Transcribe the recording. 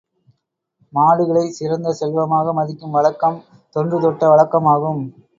மாடுகளைச் சிறந்த செல்வமாக மதிக்கும் வழக்கம், தொன்று தொட்ட வழக்கமாகும்.